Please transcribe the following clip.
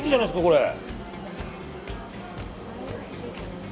これ。